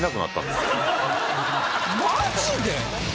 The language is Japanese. マジで！？